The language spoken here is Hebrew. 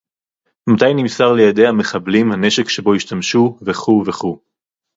מתי נמסר לידי המחבלים הנשק שבו השתמשו וכו' וכו'